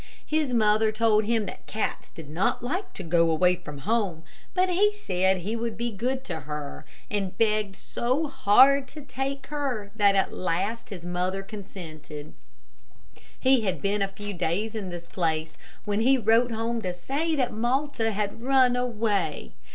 His mother told him that cats did not like to go away from home; but he said he would be good to her, and begged so hard to take her, that at last his mother consented. He had been a few days in this place, when he wrote home to say that Malta had run away.